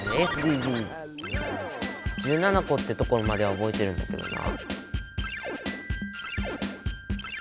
１７個ってところまではおぼえてるんだけどな。